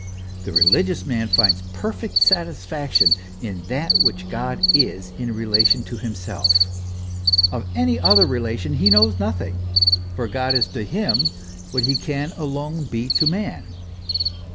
The religious man finds perfect satisfaction in that which God is in relation to himself; of any other relation he knows nothing, for God is to him what he can alone be to man.